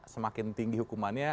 semakin tinggi hukumannya